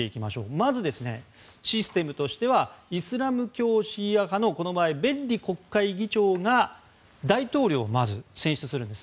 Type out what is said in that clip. まずシステムとしてイスラム教シーア派のベッリ国会議長が大統領をまず選出するんです。